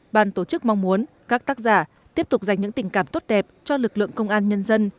bàn tổ chức mong muốn các tác giả tiếp tục dành những tình cảm tốt đẹp cho lực lượng công an nhân dân